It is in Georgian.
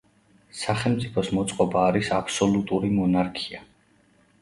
სახელმწიფოს მოწყობა არის აბსოლუტური მონარქია.